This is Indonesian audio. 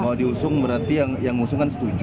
kalau diusung berarti yang usung kan setuju